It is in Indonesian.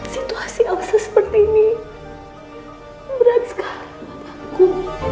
situasi eksis seperti ini berat sekali buat aku